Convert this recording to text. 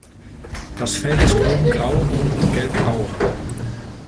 Das Fell ist oben grau und unten gelbbraun.